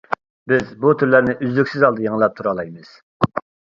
بىز بۇ تۈرلەرنى ئۆزلۈكسىز ھالدا يېڭىلاپ تۇرالايمىز.